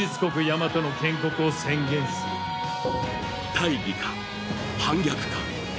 大義か反逆か？